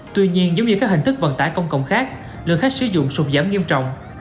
tuy nhiên giống như các hình thức vận tải công cộng khác lượng khách sử dụng sụt giảm nghiêm trọng